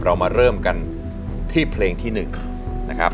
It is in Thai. เรามาเริ่มกันที่เพลงที่๑นะครับ